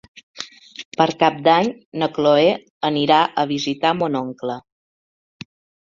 Per Cap d'Any na Chloé anirà a visitar mon oncle.